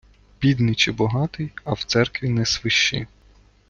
Бідний чи богатий, а в церкві не свищи.